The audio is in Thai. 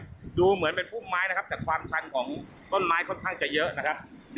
ถ้าผู้ช่วยเหลือคุณต้องดูว่าชุดกู้ไฟของเขายัดจะทำอะไรได้